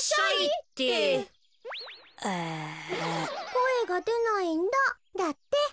「こえがでないんだ」だって。